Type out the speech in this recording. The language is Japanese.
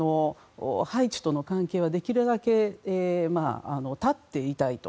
ハイチとの関係は、できるだけ断っていたいと。